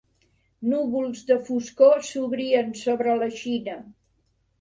Núvols de foscor s'obrien sobre la Xina.